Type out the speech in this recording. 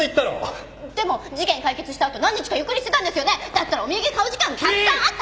だったらお土産買う時間たくさんあったはずで。